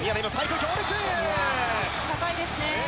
強烈高いですね